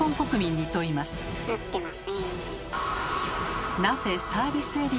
なってますねえ。